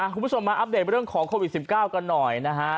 คุณผู้ชมมาอัปเดตเรื่องของโควิด๑๙กันหน่อยนะฮะ